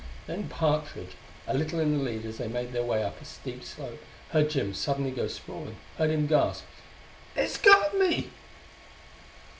Then Partridge, a little in the lead as they made their way up a steep slope, heard Jim suddenly go sprawling; heard him gasp: "It's got me!"